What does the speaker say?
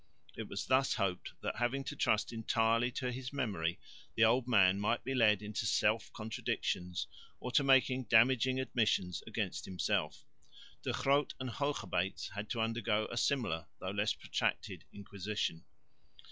It was thus hoped that, having to trust entirely to his memory, the old man might be led into self contradictions or to making damaging admissions against himself. De Groot and Hoogerbeets had to undergo a similar, though less protracted, inquisition.